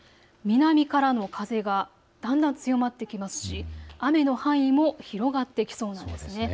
南からの風がだんだん強まってきますし雨の範囲も広がっていきそうなんです。